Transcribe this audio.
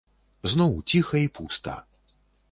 Зноў ціха й пуста.